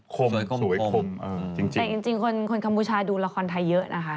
จริงแต่จริงคนคัมพูชาดูละครไทยเยอะนะคะ